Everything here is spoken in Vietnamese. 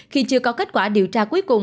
khi chưa có kết quả điều tra cuối cùng